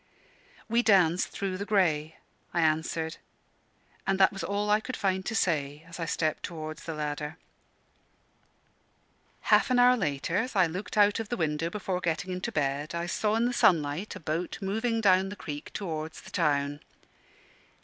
"We danced through the grey," I answered; and that was all I could find to say, as I stepped towards the ladder. Half an hour later as I looked out of the window before getting into bed I saw in the sunlight a boat moving down the creek towards the town.